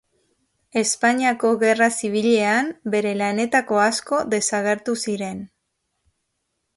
Espainiako Gerra Zibilean bere lanetako asko desagertu ziren.